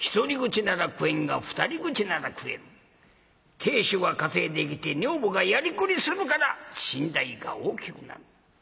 亭主は稼いできて女房がやりくりするから身代が大きくなる。